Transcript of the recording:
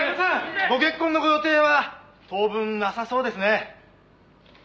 ご結婚のご予定は当分なさそうですね？」